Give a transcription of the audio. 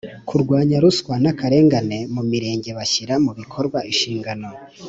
Kurwanya ruswa n akarengane mu mirenge bashyira mu bikorwa inshingano